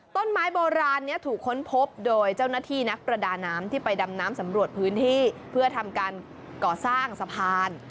ต้นไม้โบราณนี้ถูกค้นพบโดยเจ้าหน้าที่นักประดาน้ำที่ไปดำน้ำสำรวจพื้นที่เพื่อทำการก่อสร้างสะพาน